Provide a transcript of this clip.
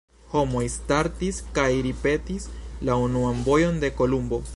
Homoj startis kaj ripetis la unuan vojon de Kolumbo.